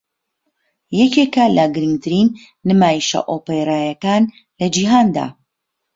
یەکێک لە گرنگترین نمایشە ئۆپێراییەکان لە جیهاندا